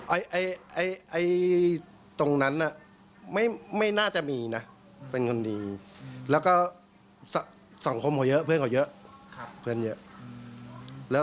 อายุม่ะยังไงด้วยนะเนี่ยบ้างจริงจริงขนาดตลาดบ้างใจล่ะ